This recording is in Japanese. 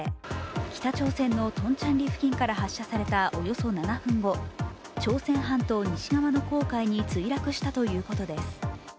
北朝鮮のトンチャンリ付近から発射されたおよそ７分後、朝鮮半島西側の黄海に墜落したということです。